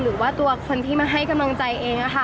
หรือว่าตัวคนที่มาให้กำลังใจเอง